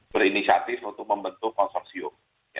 berinisiatif untuk membentuk konsorsium